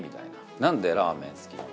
なんでラーメン好きなの？